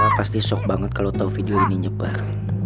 rara pasti shock banget kalo tau video ini nyebar